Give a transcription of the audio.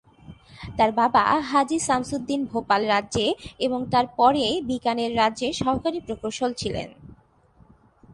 তাঁর বাবা হাজী শামসুদ্দিন ভোপাল রাজ্যে এবং তার পরে বিকানের রাজ্যে সহকারী প্রকৌশলী ছিলেন।